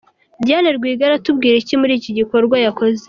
Diane Rwigara aratubwira iki muri iki gikorwa yakoze?